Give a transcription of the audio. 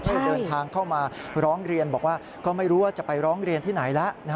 เดินทางเข้ามาร้องเรียนบอกว่าก็ไม่รู้ว่าจะไปร้องเรียนที่ไหนแล้ว